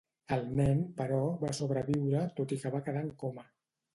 El nen, però, va sobreviure, tot i que va quedar en coma.